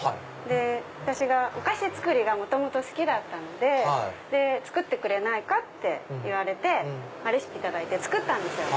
私がお菓子作りが元々好きだったので作ってくれないか？っていわれてレシピ頂いて作ったんですよ。